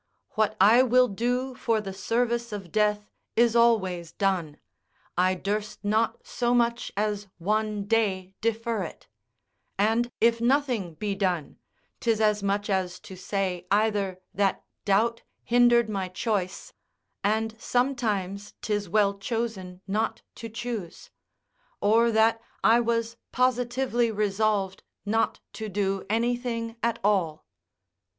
What I will do for the service of death is always done; I durst not so much as one day defer it; and if nothing be done, 'tis as much as to say either that doubt hindered my choice (and sometimes 'tis well chosen not to choose), or that I was positively resolved not to do anything at all.